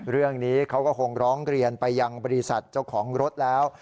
เรื่องนี้เขาก็คงร้องเรียนไปยังบริษัทเจ้าของรถแล้ว